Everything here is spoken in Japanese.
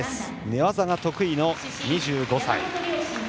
寝技が得意の２５歳。